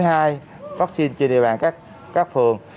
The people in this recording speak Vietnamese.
là phủ mũi hai vaccine trên địa bàn các phường